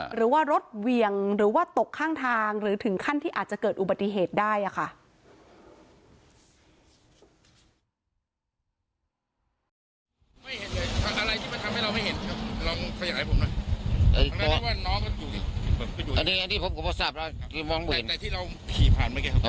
หรือว่ารถเวียงหรือว่าตกข้างทางหรือถึงขั้นที่อาจจะเกิดอุบัติเหตุได้ค่ะ